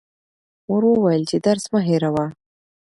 مور وویل چې درس مه هېروه.